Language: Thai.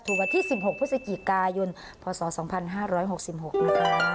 วันที่๑๖พฤศจิกายนพศ๒๕๖๖นะคะ